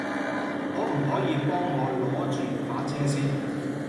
可唔可以幫我攞著把遮先